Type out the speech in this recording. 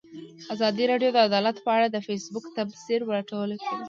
ازادي راډیو د عدالت په اړه د فیسبوک تبصرې راټولې کړي.